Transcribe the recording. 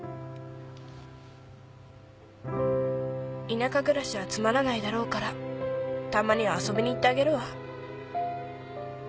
「田舎暮らしはつまらないだろうからたまには遊びに行ってあげるわ」